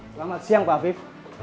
selamat siang pak afif